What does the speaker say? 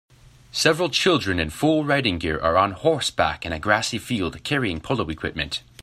Several children in full riding gear are on horseback in a grassy field carrying polo equipment.